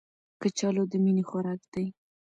کچالو د مینې خوراک دی